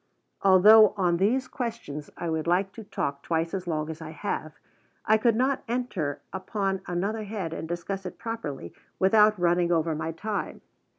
Although on these questions I would like to talk twice as long as I have, I could not enter upon another head and discuss it properly without running over my time.